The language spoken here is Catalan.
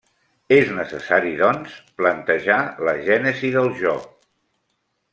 És necessari, doncs, plantejar la gènesi del jo.